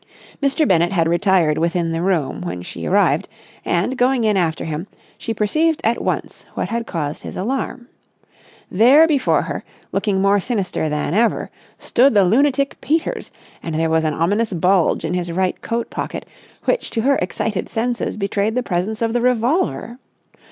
Mr. Bennett had retired within the room when she arrived; and, going in after him, she perceived at once what had caused his alarm. There before her, looking more sinister than ever, stood the lunatic Peters; and there was an ominous bulge in his right coat pocket which to her excited senses betrayed the presence of the revolver.